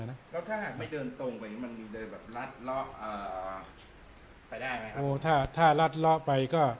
แล้วถ้าไม่เดินตรงไปมันมีเลยแบบลัดล้อไปได้ไหมครับโอ้ถ้าถ้าลัดล้อไปก็